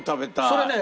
それね